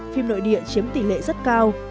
phim nội địa chiếm tỷ lệ rất cao